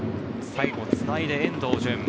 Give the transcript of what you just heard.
最後つないで遠藤純。